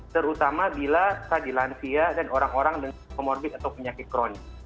terutama bila keadilan via dan orang orang dengan komorbid atau penyakit kronis